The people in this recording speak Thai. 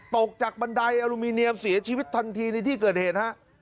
ตกจากบันไดอลูมิเนียมเสียชีวิตทันทีในที่เกิดเหตุฮะ